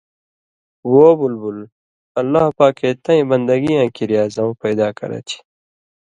وہ بلبل اللہ پاکے تئیں بندگی یاں کریا زؤں پیدا کرہ چھے